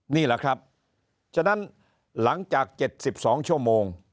นี่แหละครับฉะนั้นหลังจาก๗๒ชั่วโมง